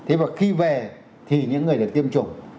thế và khi về thì những người được tiêm chủng